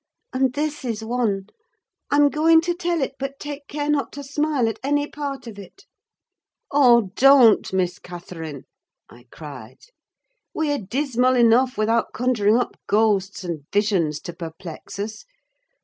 And this is one: I'm going to tell it—but take care not to smile at any part of it." "Oh! don't, Miss Catherine!" I cried. "We're dismal enough without conjuring up ghosts and visions to perplex us.